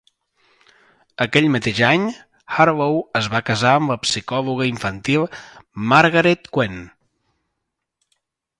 Aquell mateix any, Harlow es va casar amb la psicòloga infantil Margaret Kuenne.